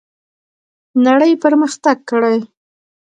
نړۍ پرمختګ کړی.